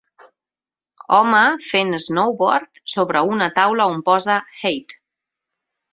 Home fent snowboard sobre una taula on posa HATE.